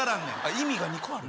意味が２個ある？